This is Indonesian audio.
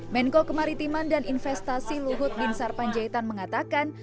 menko kemaritiman dan investasi luhut bin sarpanjaitan mengatakan